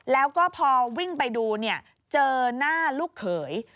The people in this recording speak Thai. แล้วก็พอวิ่งไปดูเนี่ยเจอหน้าลูกเขย